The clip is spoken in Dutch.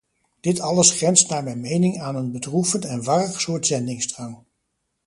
Dit alles grenst naar mijn mening aan een bedroevend en warrig soort zendingsdrang.